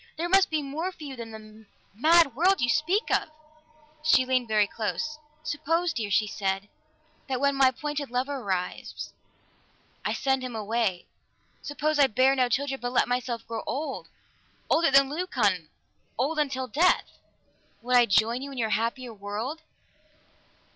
"There must be more for you than the mad world you speak of!" She leaned very close. "Suppose, dear," she said, "that when my appointed lover arrives, I send him away. Suppose I bear no child, but let myself grow old, older than Leucon, old until death. Would I join you in your happier world?"